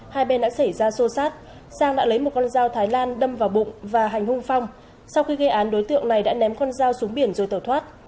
hai bên đã xảy ra xô xát sang đã lấy một con dao thái lan đâm vào bụng và hành hung phong sau khi gây án đối tượng này đã ném con dao xuống biển rồi tẩu thoát